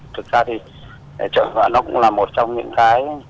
thực ra thì chọi ngựa nó cũng là một trong những cái